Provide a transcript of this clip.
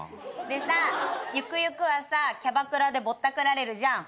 でさゆくゆくはさキャバクラでぼったくられるじゃん。